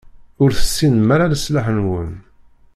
Ur tessinem ara leṣlaḥ-nwen.